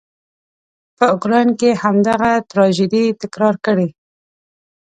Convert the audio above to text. په اوکراین کې همدغه تراژيدي تکرار کړي.